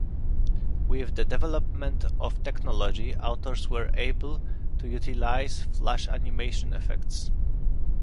With the development of technology, authors were able to utilise flash animation effects.